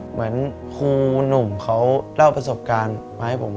เหมือนครูหนุ่มเขาเล่าประสบการณ์มาให้ผม